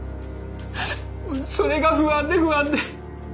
それが不安で不安で。